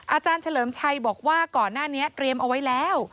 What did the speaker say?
อาจารย์เฉลิมชัยบอกว่าก่อนหน้านี้เตรียมเอาไว้แล้ว